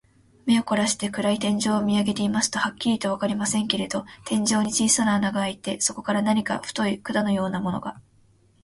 目をこらして、暗い天井を見あげていますと、はっきりとはわかりませんけれど、天井に小さな穴がひらいて、そこから何か太い管のようなものが、